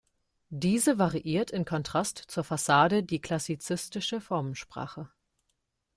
Diese variiert in Kontrast zur Fassade die klassizistische Formensprache.